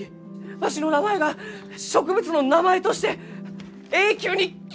わしの名前が植物の名前として永久に刻まれるがじゃ！